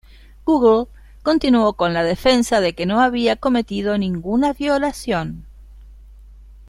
Google continuó con la defensa de que no había cometido ninguna violación.